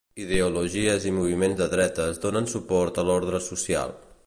Ideologies i moviments de dretes donen suport a l'ordre social.